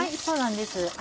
そうなんです。